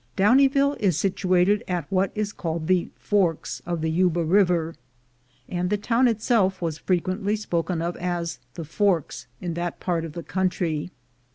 Downieville is situated at what is called the Forks of the Yuba River, and the town itself was frequently spoken of as "The Forks" in that part of the country.